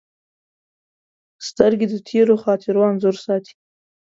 سترګې د تېرو خاطرو انځور ساتي